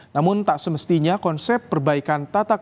namun tak semestinya konsep perbaikan tata kelo